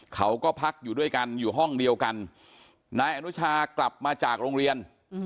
เขาก็พักอยู่ด้วยกันอยู่ห้องเดียวกันนายอนุชากลับมาจากโรงเรียน